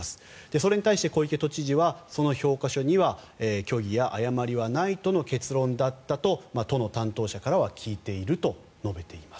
それに対して、小池都知事はその評価書には虚偽や誤りはないとの結論だったと都の担当者からは聞いていると述べています。